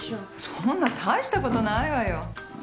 そんな大したことないわよ。